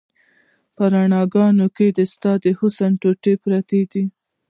په رڼاګانو کې د ستا حسن ټوټه پرته ده